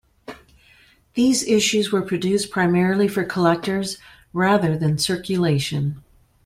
These issues were produced primarily for collectors, rather than for circulation.